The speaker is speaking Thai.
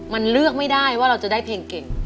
มันเลือกไม่ได้ว่าเราจะได้เพลงเก่ง